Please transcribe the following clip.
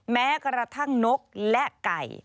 แม้กระทั่งนกและไก่